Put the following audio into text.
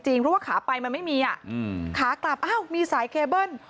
เพราะว่าขาไปมันไม่มีอ่ะขากลับอ้าวมีสายเคเบิ้ล